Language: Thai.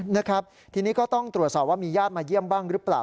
นะครับทีนี้ก็ต้องตรวจสอบว่ามีญาติมาเยี่ยมบ้างหรือเปล่า